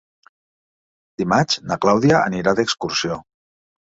Dimarts na Clàudia anirà d'excursió.